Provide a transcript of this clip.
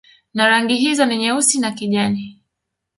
Na rangi hizo ni Nyeusi na kijani